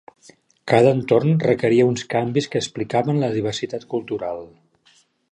Cada entorn requeria uns canvis que explicaven la diversitat cultural.